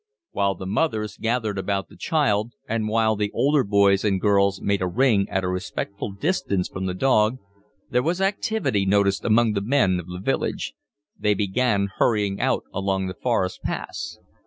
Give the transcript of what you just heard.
While the mothers gathered about the child, and while the older boys and girls made a ring at a respectful distance from the dog, there was activity noticed among the men of the village. They began hurrying out along the forest paths.